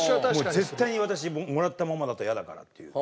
絶対に私もらったままだとやだからっていう。